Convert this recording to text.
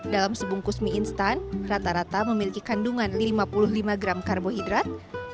dalam sebungkus mie instan rata rata memiliki kandungan lima puluh lima gram karbohidrat